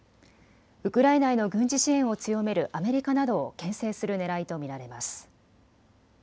ウクライナへの軍事支援を強めるアメリカなどをけん制するねらいと見られます。